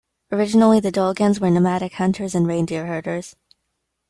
Originally, the Dolgans were nomadic hunters and reindeer herders.